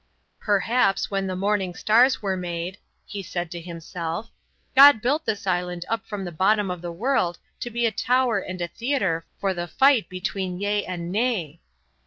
"Perhaps when the morning stars were made," he said to himself, "God built this island up from the bottom of the world to be a tower and a theatre for the fight between yea and nay."